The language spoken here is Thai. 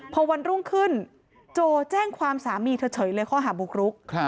พอวันรุ่งขึ้นโจแจ้งความสามีเธอเฉยเลยข้อหาบุกรุก